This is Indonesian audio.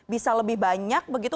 bisa lebih banyak begitu